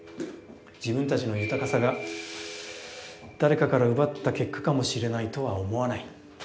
自分たちの豊かさが誰かから奪った結果かもしれないとは思わない。